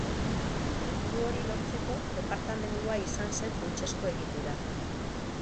Helburu hori lortzeko departamendua izan zen funtsezko egitura.